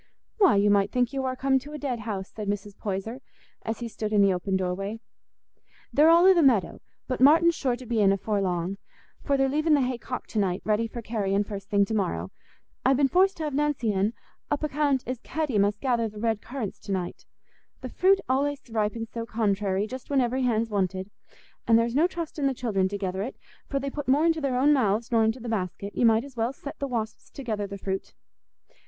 "Why, you might think you war come to a dead house," said Mrs. Poyser, as he stood in the open doorway; "they're all i' the meadow; but Martin's sure to be in afore long, for they're leaving the hay cocked to night, ready for carrying first thing to morrow. I've been forced t' have Nancy in, upo' 'count as Hetty must gether the red currants to night; the fruit allays ripens so contrairy, just when every hand's wanted. An' there's no trustin' the children to gether it, for they put more into their own mouths nor into the basket; you might as well set the wasps to gether the fruit."